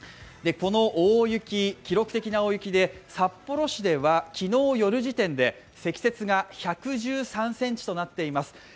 この大雪、記録的な大雪で札幌市では昨日夜時点で積雪が１１３ｃｍとなっています。